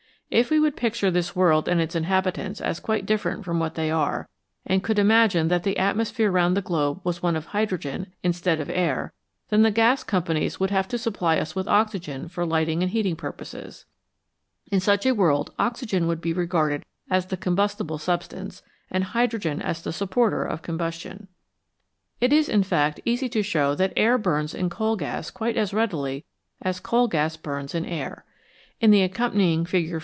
If we could picture this world and its inhabitants as quite dif ferent from what they are, and could imagine that the atmosphere round the globe was one of hydrogen instead of Q^ air, then the gas companies would have to supply us with oxygen for lighting and heating purposes. In such a world oxygen would be regarded as the com j u j 4.1, FIQ * A sketch of bnstiblc substance, and hydrogen as the an experiment 8how . supporter of combustion. ing that air can be It is, in fact, easy to show that air turned in an atmos ,... J., phere of coal gas. burns in coal gas quite as readily as coal gas burns in air. In the accompanying Fig.